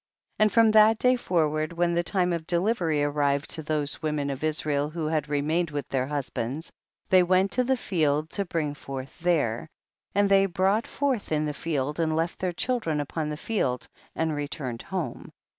54. And from that day forward, when the time of delivery arrived to those women of Israel who had re mained with their husbands, they went to the field to bring forth there, and they brought forth in the field, and left their children upon the field and returned home.